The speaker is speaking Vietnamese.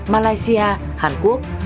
malaysia hàn quốc